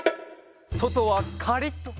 そとはカリッと！